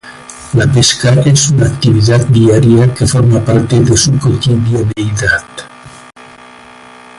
La pesca es una actividad diaria que forma parte de su cotidianeidad.